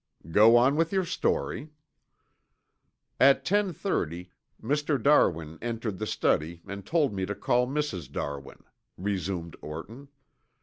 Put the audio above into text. "Go on with your story." "At ten thirty Mr. Darwin entered the study and told me to call Mrs. Darwin," resumed Orton.